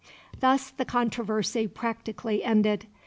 Thus the controversy practically ended.